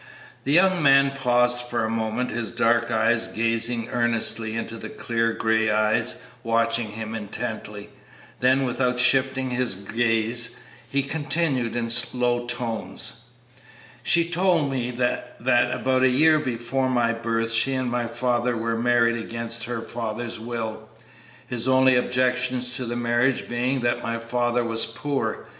The young man paused for a moment, his dark eyes gazing earnestly into the clear gray eyes watching him intently; then, without shifting his gaze, he continued, in low tones: "She told me that about a year before my birth she and my father were married against her father's will, his only objection to the marriage being that my father was poor.